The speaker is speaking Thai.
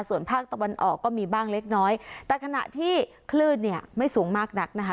ส่วนภาคตะวันออกก็มีบ้างเล็กน้อยแต่ขณะที่คลื่นเนี่ยไม่สูงมากนักนะคะ